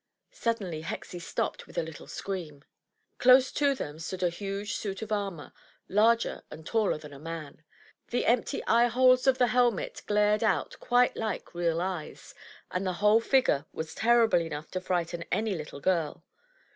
Suddenly Hexie stopped with a little scream. Close to them stood a huge suit of armor, larger and taller than a man. The empty eye holes of the helmet glared out quite like real eyes, and the whole figure was terrible enough to frighten any little girl.